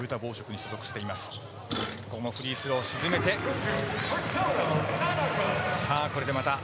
ここもフリースロー沈めました。